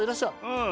うん。